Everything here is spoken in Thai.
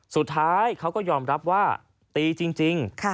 สุดท้ายเขาก็ยอมรับว่าตีจริง